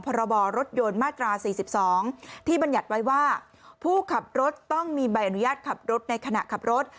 พรบรถยนต์มาตรา๔๒ที่บรรยัติไว้ว่าผู้ขับรถต้องมีใบอนุญาตขับรถในขณะขับรถ